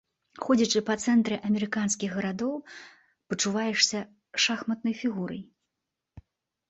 Ходзячы па цэнтры амерыканскіх гарадоў, пачуваешся шахматнай фігурай.